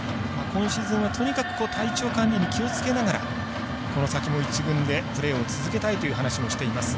今シーズンはとにかく体調管理に気をつけながらこの先も１軍でプレーを続けたいという話もしています。